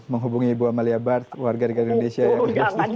menghubungi ibu amalia barth warga riga indonesia yang harus bekerja